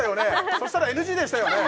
そしたらＮＧでしたよね